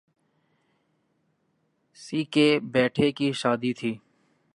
س کے بیٹے کی شادی تھی